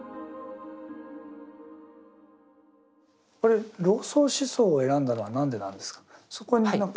これ老荘思想を選んだのは何でなんですか？